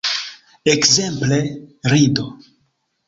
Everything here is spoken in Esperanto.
Ekzemple, rido.